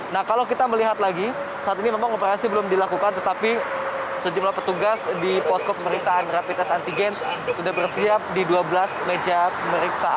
nah kalau kita melihat lagi saat ini memang operasi belum dilakukan tetapi sejumlah petugas di posko pemeriksaan rapid test antigen sudah bersiap di dua belas meja pemeriksa